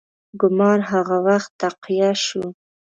ګومان هغه وخت تقویه شو.